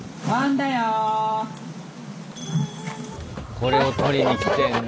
これを撮りに来てんだ。